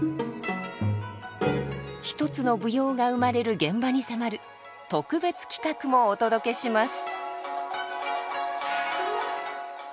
一つの舞踊が生まれる現場に迫る特別企画もお届けします。